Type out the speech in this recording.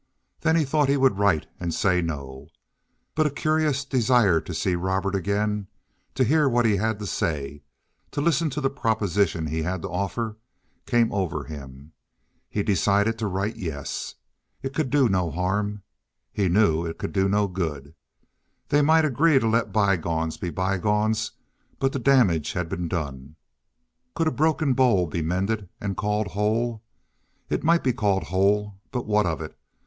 Then he thought he would write and say no. But a curious desire to see Robert again, to hear what he had to say, to listen to the proposition he had to offer, came over him; he decided to write yes. It could do no harm. He knew it could do no good. They might agree to let by gones be by gones, but the damage had been done. Could a broken bowl be mended and called whole? It might be called whole, but what of it?